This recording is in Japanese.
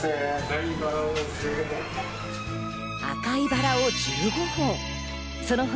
赤いバラを１５本。